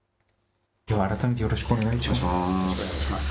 きょう、改めてよろしくお願いします。